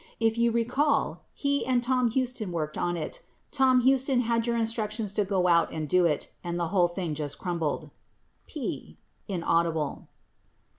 If you recall he and Tom Huston worked on it. Tom Huston had your instructions to go out and do it and the whole thing just crumbled. P [Inaudible.